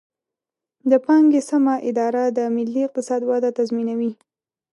د پانګې سمه اداره د ملي اقتصاد وده تضمینوي.